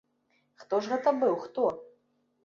Хто ж гэта быў, хто?